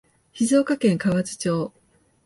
静岡県河津町